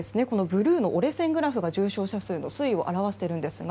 ブルーの折れ線グラフが重症者数の推移を表しています。